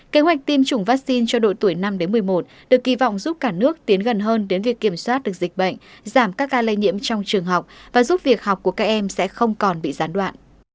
kế hoạch tiêm chủng vaccine cho độ tuổi năm một mươi một được kỳ vọng giúp cả nước tiến gần hơn đến việc kiểm soát được dịch bệnh giảm các ca lây nhiễm trong trường học và giúp việc học của các em sẽ không còn bị gián đoạn